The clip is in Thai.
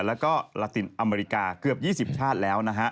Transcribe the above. แล้วก็ลาตินอเมริกาเกือบ๒๐ชาติแล้วนะฮะ